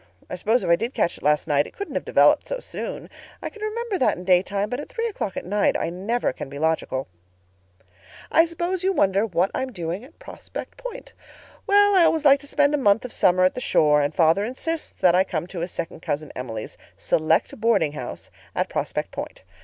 I suppose if I did catch it last night it couldn't have developed so soon. I can remember that in daytime, but at three o'clock at night I never can be logical. "I suppose you wonder what I'm doing at Prospect Point. Well, I always like to spend a month of summer at the shore, and father insists that I come to his second cousin Emily's 'select boardinghouse' at Prospect Point.